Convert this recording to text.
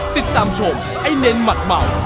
ติดตามชมไอเนนหมัดเมา